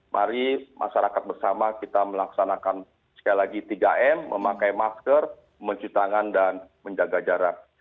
mari masyarakat bersama kita melaksanakan sekali lagi tiga m memakai masker mencuci tangan dan menjaga jarak